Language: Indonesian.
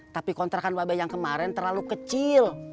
tapi kontrakan wabah yang kemarin terlalu kecil